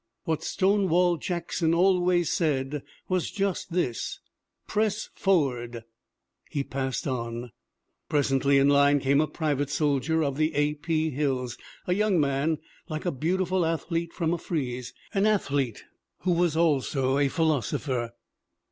'What Stonewall Jackson always said was just this : "Press forward!" ' He passed on. "Presently in line came a private soldier of A. P. Hill's, a young man like a beautiful athlete from a frieze, an athlete who was also a philosopher.